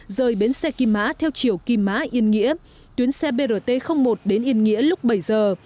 rời bến xe kim mã theo chiều kim mã yên nghĩa tuyến xe brt một đến yên nghĩa lúc bảy giờ